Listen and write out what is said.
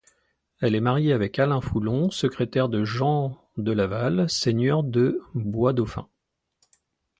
Elle est mariée avec Alain Foulon, secrétaire de Jean de Laval, seigneur de Bois-Dauphin.